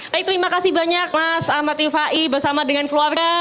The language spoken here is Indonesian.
baik terima kasih banyak mas ahmad ifai bersama dengan keluarga